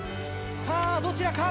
さあ、どちらか？